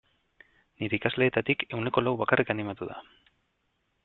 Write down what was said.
Nire ikasleetatik ehuneko lau bakarrik animatu da.